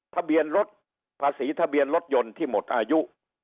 ทะเบียนรถภาษีทะเบียนรถยนต์ที่หมดอายุ